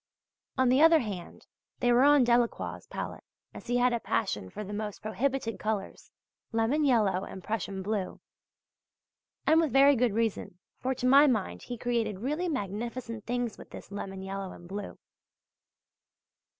On the other hand they were on Delacroix' palette, as he had a passion for the most prohibited colours lemon yellow and Prussian blue; and with very good reason, for to my mind he created really magnificent things with this lemon yellow and blue.